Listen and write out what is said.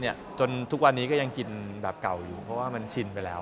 จนทุกวันนี้ก็ยังกินแบบเก่าอยู่เพราะว่ามันชินไปแล้ว